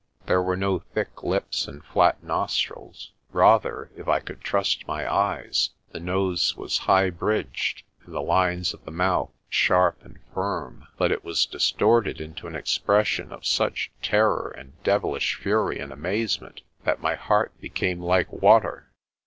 There were no thick lips and flat nostrils ; rather, if I could trust my eyes, the nose was high bridged, and the lines of the mouth sharp and firm. But it was distorted into an expression of such terror and devilish fury and amazement that my heart became like water.